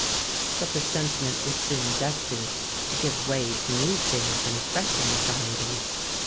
But the sentiment was soon destined to give way to new fears and fresh anxieties.